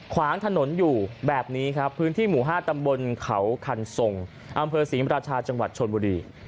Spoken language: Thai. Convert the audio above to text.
ขวางถนนอยู่แบบนี้ครับพื้นที่หมู่๕ตำบลเขาคันทรงอำเภอศรีมราชาจังหวัดชนบุรี